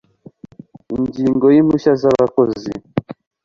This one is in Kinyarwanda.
Ingingo ya Impushya z abakozi